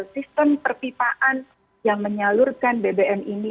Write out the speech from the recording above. sistem perpipaan yang menyalurkan bbm ini